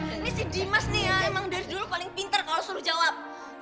ini sih dimas nih ya emang dari dulu paling pinter kalau suruh jawab